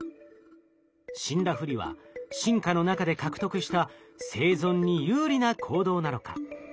死んだふりは進化の中で獲得した生存に有利な行動なのか？